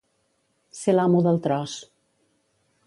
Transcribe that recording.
Ser l'amo del tros.